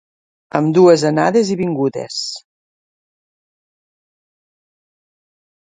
Amb dues anades i vingudes.